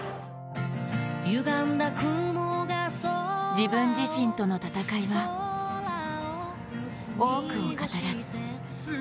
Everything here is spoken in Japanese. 自分自身との闘いは多くを語らず。